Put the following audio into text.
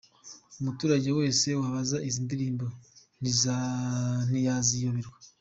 Umuturage wese wabaza izi ndirimbo ntiyaziyoberwa”.